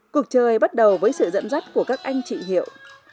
cuộc chơi bắt đầu với sự dẫn dắt của các anh trị hiệu